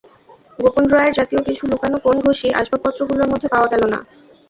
গোপন ড্রয়ার জাতীয় কিছু লুকোনো কোণ-ঘোজি আসবাবপত্রগুলোর মধ্যে পাওয়া গেল না।